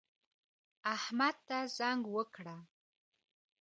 احمد ته زنګ وکړه